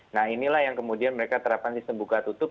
nah inilah yang kemudian mereka terapkan sistem buka tutup